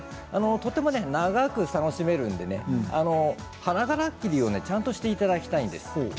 長く楽しめるので花がら取りをちゃんとやっていただきたいんです。